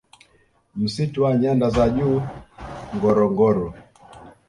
Msitu wa nyanda za Juu Ngorongoro